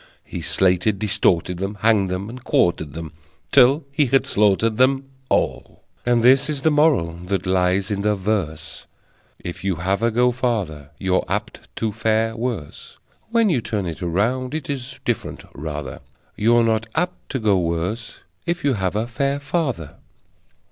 He slated, distorted them, Hanged them and quartered them, Till he had slaughtered them All. And this is The Moral that lies in the verse: If you have a go farther, you're apt to fare worse. (When you turn it around it is different rather: You're not apt to go worse if you have a fair father!)